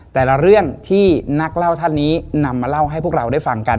แต่ละเรื่องที่นักเล่าท่านนี้นำมาเล่าให้พวกเราได้ฟังกัน